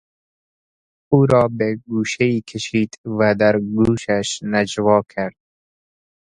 او را به گوشهای کشید و در گوشش نجوا کرد.